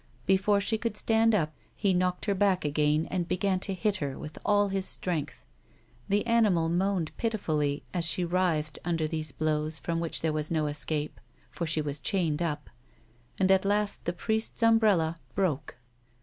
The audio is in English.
Before she could stand up, he knocked her back again, and began to hit her with all his strength. The animal moaned pitifully as she writhed under these blows from which there was no escape (for she was chained up) and at last the priest's umbrella broke.